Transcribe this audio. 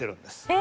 え！